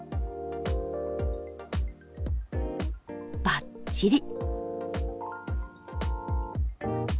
ばっちり。